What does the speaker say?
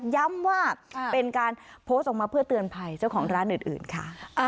ย้ำว่าเป็นการโพสต์ออกมาเพื่อเตือนภัยเจ้าของร้านอื่นค่ะ